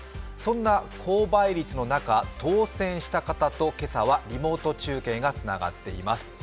そんな高倍率の中、当選した方と今朝はリモート中継がつながっています。